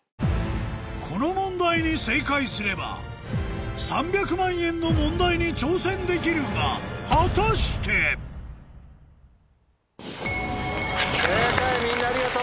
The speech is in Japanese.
この問題に正解すれば３００万円の問題に挑戦できるが果たして⁉ありがとう。